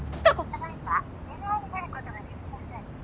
ただいま電話に出ることができません。